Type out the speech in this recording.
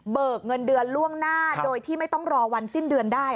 เงินเดือนล่วงหน้าโดยที่ไม่ต้องรอวันสิ้นเดือนได้